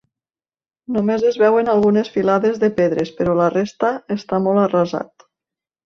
Només es veuen algunes filades de pedres, però la resta està molt arrasat.